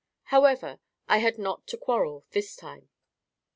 However, I had not to quarrel this time.